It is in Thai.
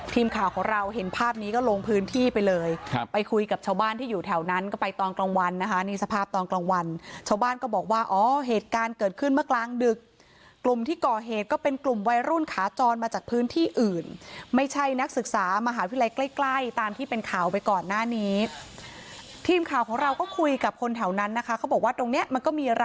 ทีมข่าวของเราเห็นภาพนี้ก็ลงพื้นที่ไปเลยไปคุยกับชาวบ้านที่อยู่แถวนั้นก็ไปตอนกลางวันนะคะนี่สภาพตอนกลางวันชาวบ้านก็บอกว่าเหตุการณ์เกิดขึ้นเมื่อกลางดึกกลุ่มที่ก่อเหตุก็เป็นกลุ่มวัยรุ่นขาจรมาจากพื้นที่อื่นไม่ใช่นักศึกษามหาวิทยาลัยใกล้ตามที่เป็นข่าวไปก่อนหน้านี้ทีมข่าวข